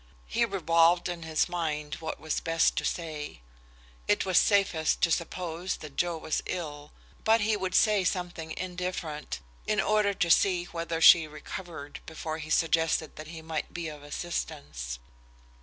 He revolved in his mind what was best to say. It was safest to suppose that Joe was ill, but he would say something indifferent, in order to see whether she recovered, before he suggested that he might be of assistance.